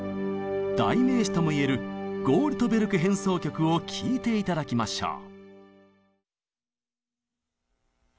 代名詞とも言える「ゴールトベルク変奏曲」を聴いて頂きましょう。